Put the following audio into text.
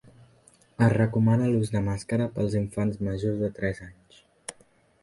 Es recomana l’ús de màscara pels infants majors de tres anys.